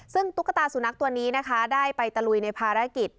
ซึ่งตุ๊กตาสุนัขตัวนี้นะคะได้ไปตะลุยในภารกิจ